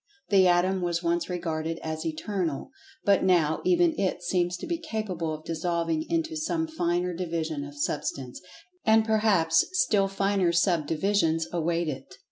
The Atom was once regarded as Eternal, but now even it seems to be capable of dissolving into some finer division of Substance—and perhaps still finer subdivisions await it.